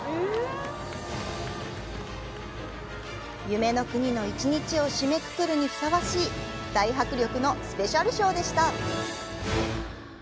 夢の国の一日を締めくくるにふさわしい、大迫力のスペシャルショーでした。